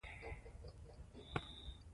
ځینې بزګران لګښت نه شي ورکولای.